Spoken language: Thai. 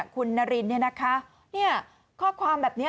คุณนารินเนี่ยนะคะข้อความแบบนี้